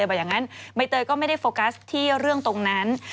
ใบเตยก็ไม่ได้โฟกัสที่เรื่องตรงนั้น